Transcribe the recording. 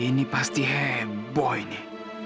ini pasti heboh ini